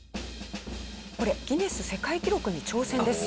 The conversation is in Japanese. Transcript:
これギネス世界記録に挑戦です。